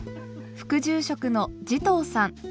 副住職の慈瞳さん